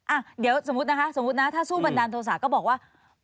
อ่ะเดี๋ยวสมมุตินะคะสมมุตินะถ้าสู้บันดาลโทษะก็บอกว่า